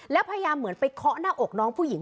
แล้วพยายามเหมือนไปเคาะหน้าอกน้องผู้หญิง